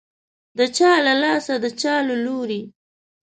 د چا له لاسه، د چا له لوري